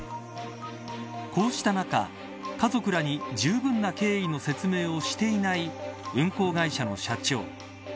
こうした中、家族らにじゅうぶんな経緯の説明をしていない運航会社の社長。